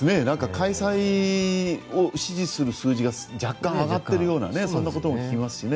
開催を支持する数字が若干上がっているようなことも聞きますしね。